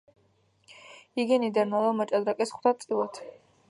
იგი ნიდერლანდელ მოჭადრაკეს ხვდა წილად.